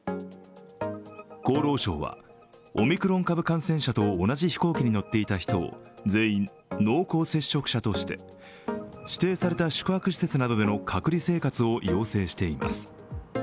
厚労省はオミクロン株感染者と同じ飛行機に乗っていた人を全員、濃厚接触者として指定された宿泊施設などでの隔離生活を要請しています。